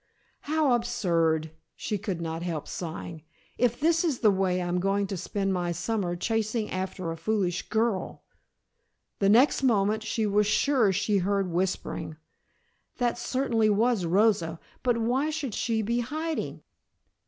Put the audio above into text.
"How absurd!" she could not help sighing, "if this is the way I'm going to spend my summer chasing after a foolish girl " The next moment she was sure she heard whispering. That certainly was Rosa, but why should she be hiding?